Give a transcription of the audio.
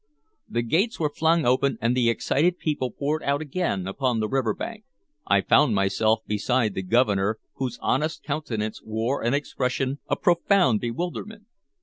The gates were flung open, and the excited people poured out again upon the river bank. I found myself beside the Governor, whose honest countenance wore an expression of profound bewilderment.